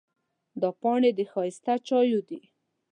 دا پاڼې د ښایسته چایو دي.